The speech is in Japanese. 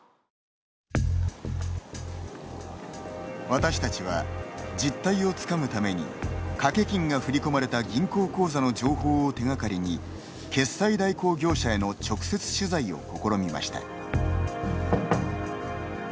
私たちは、実態をつかむために賭け金が振り込まれた銀行口座の情報を手がかりに決済代行業者への直接取材を試みました。